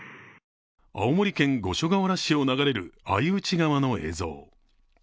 青森県五所川原市を流れる相内川の映像。